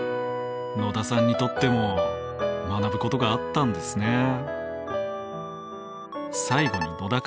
野田さんにとっても学ぶことがあったんですね。